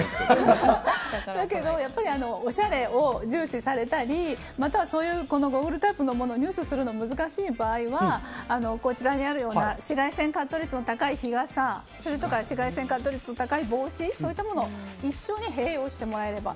おしゃれを重視されたりまた、そういうゴーグルタイプのものを入手するのが難しい場合はこちらにあるような紫外線カット率の高い日傘とか紫外線カット率の高い帽子を一緒に併用してもらえれば。